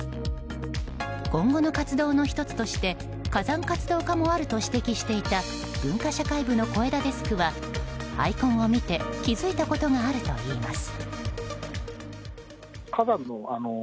今後の活動の１つとして火山活動家もあると指摘していた文化社会部の小枝デスクはアイコンを見て気づいたことがあるといいます。